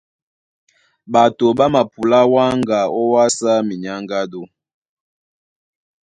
Ɓato ɓá mapulá wáŋga ówásá minyáŋgádú.